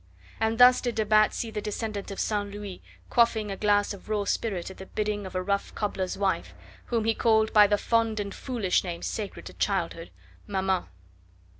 And thus did de Batz see the descendant of St. Louis quaffing a glass of raw spirit at the bidding of a rough cobbler's wife, whom he called by the fond and foolish name sacred to childhood, maman!